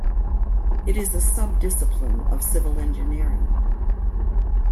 It is a sub-discipline of civil engineering.